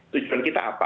tujuan kita apa